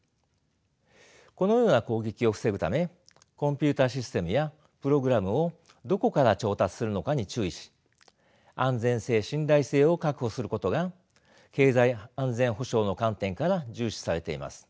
このような攻撃を防ぐためコンピューターシステムやプログラムをどこから調達するのかに注意し安全性信頼性を確保することが経済安全保障の観点から重視されています。